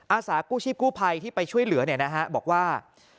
อาสากู้ชีพกู้ภัยที่ไปช่วยเหลือบอกว่า